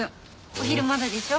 お昼まだでしょ？